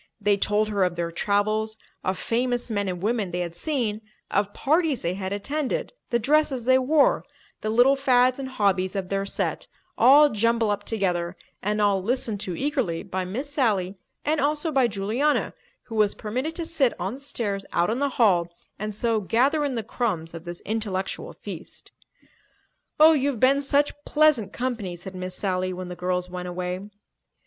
They told her of their travels, of famous men and women they had seen, of parties they had attended, the dresses they wore, the little fads and hobbies of their set—all jumbled up together and all listened to eagerly by Miss Sally and also by Juliana, who was permitted to sit on the stairs out in the hall and so gather in the crumbs of this intellectual feast. "Oh, you've been such pleasant company," said Miss Sally when the girls went away.